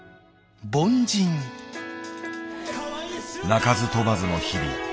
鳴かず飛ばずの日々。